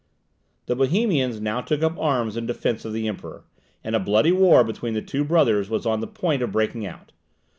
The Bohemians now took up arms in defence of the Emperor, and a bloody war between the two brothers was on the point of breaking out.